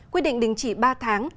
quyết định đình chỉ ba tháng